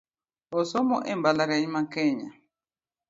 Osomo e mbalariany ma Kenya